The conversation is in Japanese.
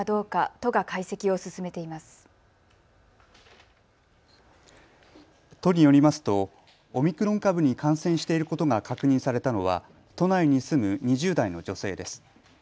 都によりますとオミクロン株に感染していることが確認されたのは都内に住む２０代の女性です。